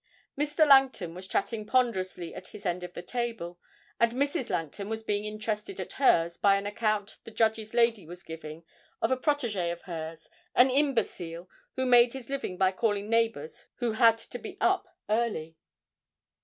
Mr. Langton was chatting ponderously at his end of the table, and Mrs. Langton was being interested at hers by an account the judge's lady was giving of a protégé of hers, an imbecile, who made his living by calling neighbours who had to be up early.